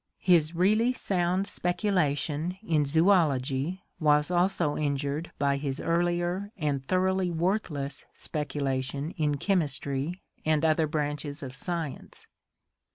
His really sound specula tion in Zoology was also injured by his earlier and thoroughly worthless speculation in Chemistry and other branches of science.